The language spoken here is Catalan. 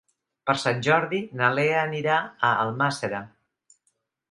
Per Sant Jordi na Lea anirà a Almàssera.